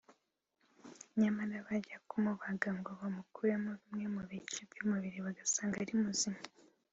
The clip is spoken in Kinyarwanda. nyamara bajya kumubaga ngo bamukureho bimwe mu bice by’umubiri bagasanga ari muzima